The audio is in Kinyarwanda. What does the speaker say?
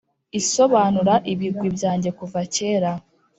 isobanura ibigwi byange kuva kera